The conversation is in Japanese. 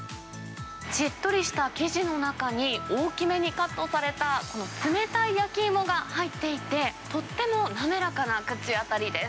しっとりした生地の中に、大きめにカットされたこの冷たい焼き芋が入っていて、とっても滑らかな口当たりです。